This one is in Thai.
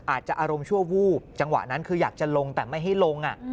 อารมณ์ชั่ววูบจังหวะนั้นคืออยากจะลงแต่ไม่ให้ลง